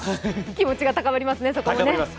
気持ちが高ぶりますね。